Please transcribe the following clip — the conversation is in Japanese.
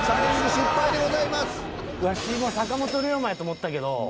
ワシも坂本龍馬やと思ったけど。